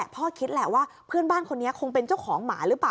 คิดแหละว่าเพื่อนบ้านคนนี้คงเป็นเจ้าของหมาหรือเปล่า